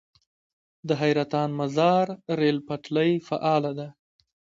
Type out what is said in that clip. د حیرتان - مزار ریل پټلۍ فعاله ده؟